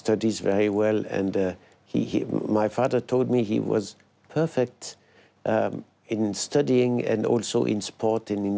พ่อผมบอกว่าพี่มีความความสุขในศึกษาและศึกษาธรรม